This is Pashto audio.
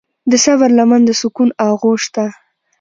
د صبر لمن د سکون آغوش ده.